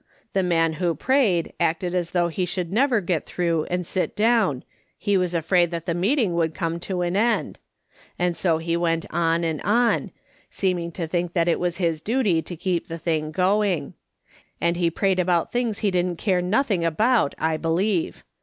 The man who prayed acted as though if he should ever get through and sit down, he was afraid that the meeting would come to an end ; and so he went on and on, seeming to think that it was his duty to keep the thing going. And he prayed about things he didn't care nothing about, I believe.